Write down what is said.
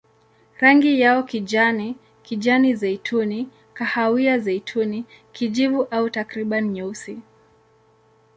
Rangi yao kijani, kijani-zeituni, kahawia-zeituni, kijivu au takriban nyeusi.